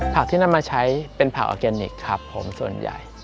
ที่นำมาใช้เป็นผักออร์แกนิคครับผมส่วนใหญ่